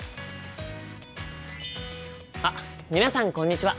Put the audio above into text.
あっ皆さんこんにちは！